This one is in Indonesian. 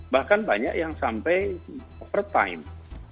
bahkan banyak yang sampai over time